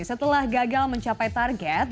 setelah gagal mencapai target